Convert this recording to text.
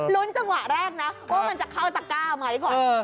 จังหวะแรกนะว่ามันจะเข้าตะก้าไหมก่อน